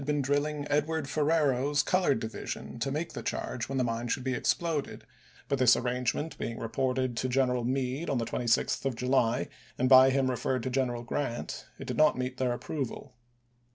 been drilling Edward Ferrero's colored division to make the charge when the mine should be exploded ; Report but this arrangement being reported to General SfoSKaSt Meade on the 26th of July, and by him referred to ° lsetesf1' Part I. pp. General Grant, it did not meet their approval.